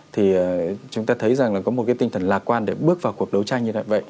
thì chúng ta thấy rằng là có một cái tình hình lạc quan để bước vào cuộc đấu tranh như vậy